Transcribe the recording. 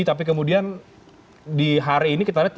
tapi kemudian di hari ini kita lihat